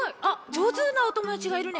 じょうずなおともだちがいるね。